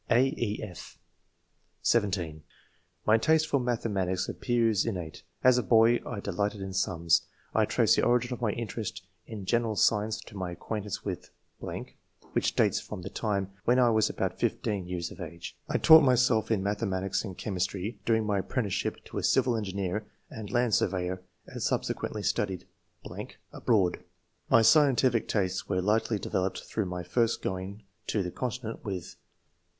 (a, e, f) (17) "My taste for mathematics appears in nate. As a boy, I delighted in sums. I trace the origin of my interest in general science to my acquaintance with ...., which dates from the time when I was about 15 years of age. I taught myself in mathematic43 and chemistry during my apprenticeship to a civil engineer and land surveyor, and subsequently studied .... [abroad]. My scientific tastes were largely developed through my first going [to the con tinent] with